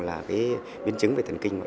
là cái biến chứng về thần kinh